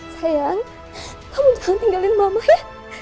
sayang kamu jangan tinggalin mama ya